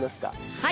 はい。